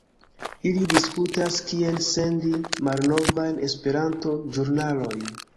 Ili diskutas kien sendi malnovajn Esperanto-ĵurnalojn